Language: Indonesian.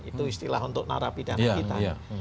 itu istilah untuk narapidana kita